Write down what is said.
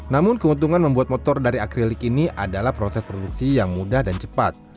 namun keuntungan membuat motor dari akrilik ini adalah proses produksi yang mudah dan cepat